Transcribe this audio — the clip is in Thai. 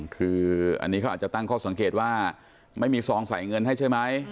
คืออันนี้เขาอาจจะตั้งข้อสังเกตว่าไม่มีซองใส่เงินให้ใช่ไหม